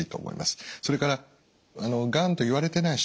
それからがんと言われてない人